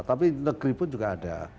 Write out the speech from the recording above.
tapi negeri pun juga ada